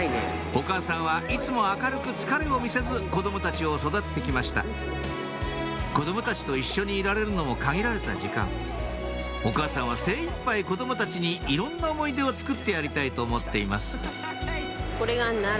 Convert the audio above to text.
・お母さんはいつも明るく疲れを見せず子供たちを育てて来ました子供たちと一緒にいられるのも限られた時間お母さんは精いっぱい子供たちにいろんな思い出をつくってやりたいと思っています